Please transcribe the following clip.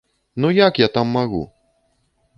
Ну як я там магу?